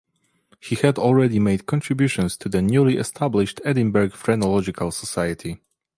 He had already made contributions to the newly established Edinburgh Phrenological Society.